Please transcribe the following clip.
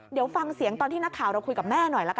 เดี๋ยวฟังเสียงตอนที่นักข่าวเราคุยกับแม่หน่อยละกัน